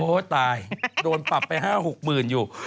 โอ้ตายโดนปรับไป๕๖หมื่นอยู่